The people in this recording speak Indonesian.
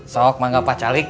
sok mangga pak calik